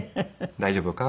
大丈夫か？